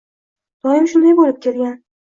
Doim shunday bo‘lib kelgan